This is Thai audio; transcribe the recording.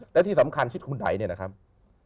และที่สำคัญชีวิตคุณไทยเนี่ยนะครับ